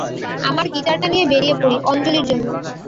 আমার গিটারটা নিয়ে বেরিয়ে পড়ি, অঞ্জলির জন্য।